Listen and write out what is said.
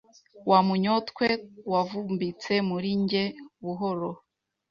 wa munyotwe wavumbitse muri njye buhoro